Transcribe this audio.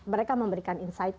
mereka memberikan insight